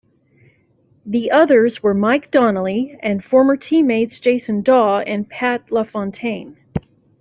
The others were Mike Donnelly and former teammates Jason Dawe and Pat LaFontaine.